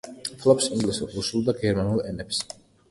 ფლობს ინგლისურ, რუსულ და გერმანულ ენებს.